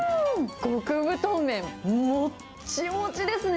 極太麺、もっちもちですね。